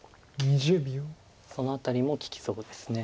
その辺りも利きそうです。